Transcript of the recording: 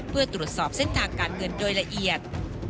เพื่อตรวจสอบเส้นทางการเงินโดยละเอียด